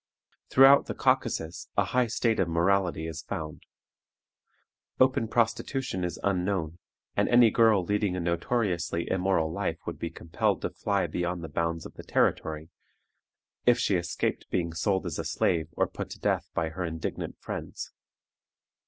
Throughout the Caucasus a high state of morality is found. Open prostitution is unknown, and any girl leading a notoriously immoral life would be compelled to fly beyond the bounds of the territory, if she escaped being sold as a slave or put to death by her indignant friends.